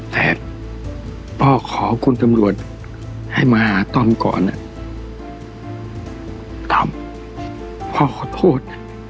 แต่พ่อขอคุณตำรวจให้มาหาตอนก่อนต่ำพ่อขอโทษ